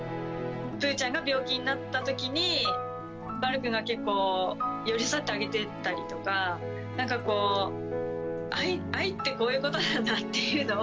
ぷーちゃんが病気になったときに、バルくんが結構寄り添ってあげてたりとか、なんかこう、愛ってこういうことなんだっていうのを、